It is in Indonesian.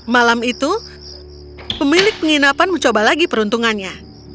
malam itu pemilik penginapan mencoba lagi peruntungannya